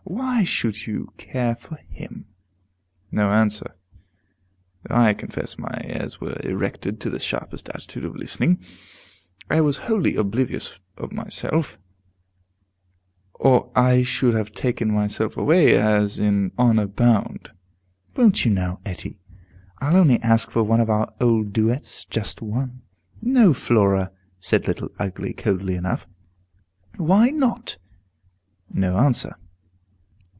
Why should you care for him!" No answer, though I confess my ears were erected to the sharpest attitude of listening. I was wholly oblivious of myself, or I should have taken myself away, as in honor bound. "Won't you now, Etty? I'll only ask for one of our old duets, just one." "No, Flora," said Little Ugly, coldly enough. "Why not?" No answer.